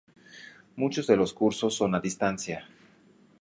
Muchos de los cursos son a distancia.